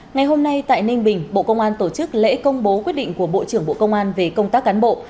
ngày hôm nay tại ninh bình bộ công an tổ chức lễ công bố quyết định của bộ trưởng bộ công an về công tác cán bộ